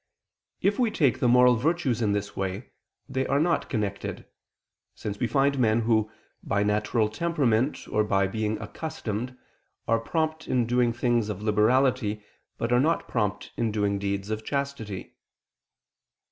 If we take the moral virtues in this way, they are not connected: since we find men who, by natural temperament or by being accustomed, are prompt in doing deeds of liberality, but are not prompt in doing deeds of chastity.